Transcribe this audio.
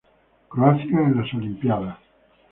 Croacia en las Olimpíadas